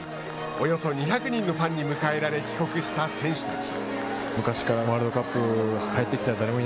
およそ２００人のファンに迎えられ帰国した選手たち。